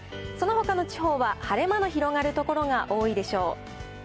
そのほかの地方は、晴れ間の広がる所が多いでしょう。